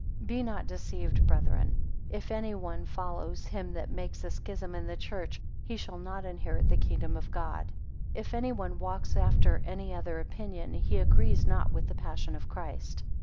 9 Be not deceived brethren; if any one follows him that makes a schism in the church, he shall not inherit the kingdom of God. If any one walks after any other opinion, he agrees not with the passion of Christ.